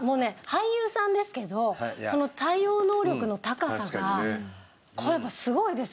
俳優さんですけど対応能力の高さがこれやっぱすごいですね。